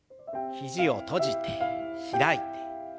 肘を閉じて開いて。